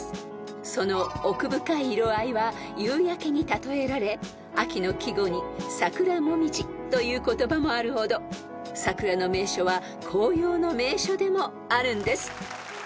［その奥深い色合いは夕焼けに例えられ秋の季語に「桜紅葉」という言葉もあるほど桜の名所は紅葉の名所でもあるんです］